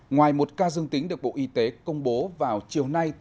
ngoài một ca dương tính được bộ y tế công bố vào chiều nay